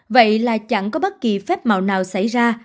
vậy là chẳng có bất kỳ phép màu nào xảy ra